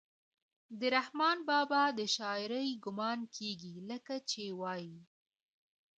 د رحمان بابا د شاعرۍ ګمان کيږي لکه چې وائي: